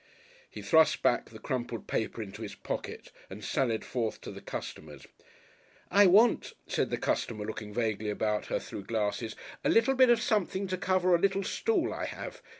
He thrust back the crumpled paper into his pocket and sallied forth to the customers. "I want," said the customer, looking vaguely about her through glasses, "a little bit of something to cover a little stool I have.